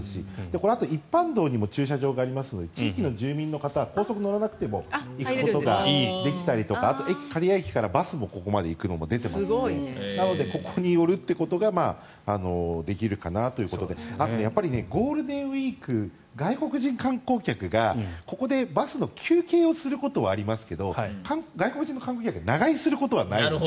このあと一般道にも駐車場がありますので地域の住民の方は高速に乗らなくても行けたりとかあとは刈谷駅からバスもここまで行くのが出ていますのでここに寄るということができるかなということであと、ゴールデンウィーク外国人観光客がここでバスの休憩をすることはありますけど外国人観光客が長居することはないので。